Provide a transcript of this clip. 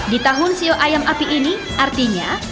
di tahun sio ayam api ini artinya